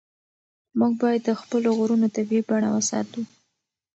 موږ باید د خپلو غرونو طبیعي بڼه وساتو.